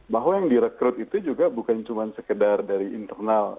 bahwa yang direkrut itu juga bukan cuma sekedar dari internal